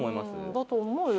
だと思うよ